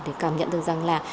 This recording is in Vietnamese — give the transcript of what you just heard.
để cảm nhận được rằng là